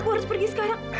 aku harus pergi sekarang